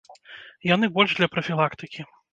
Яны больш для прафілактыкі.